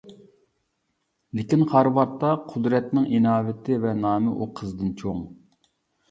لېكىن، خارۋاردتا قۇدرەتنىڭ ئىناۋىتى ۋە نامى ئۇ قىزدىن چوڭ.